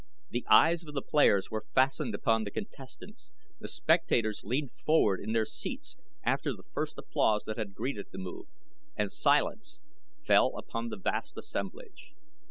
The eyes of the players were fastened upon the contestants, the spectators leaned forward in their seats after the first applause that had greeted the move, and silence fell upon the vast assemblage.